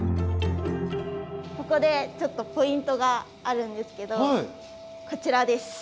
ここでちょっとポイントがあるんですけどこちらです。